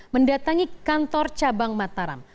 mendatangi kantor cabang mataram